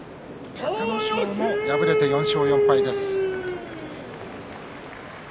隆の勝も敗れて、４勝４敗です。